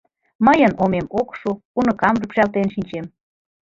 Мыйын омем ок шу, уныкам рӱпшалтен шинчем.